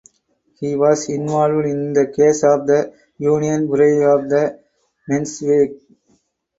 He was involved in the case of the Union Bureau of the Mensheviks.